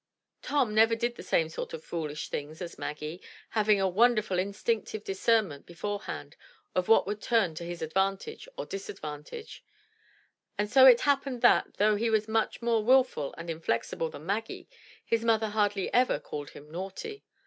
Tom never did the same sort of foolish things as Maggie, having a wonderful instinctive discernment beforehand of what would turn to his advantage or disadvantage; and so it happened that, though he was much more wilful and inflexible than Maggie, his mother hardly ever called him naughty.